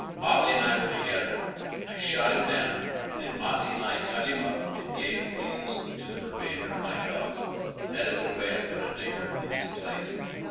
Motley and I were together; I shot him down, and Motley and I cut him up and gave the pieces to the remainder of my dogs; that is the way I put a nigger in his place."